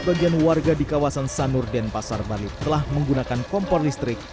bagian warga di kawasan sanur dan pasar balik telah menggunakan kompor listrik